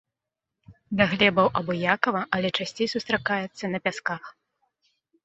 Да глебаў абыякава, але часцей сустракаецца на пясках.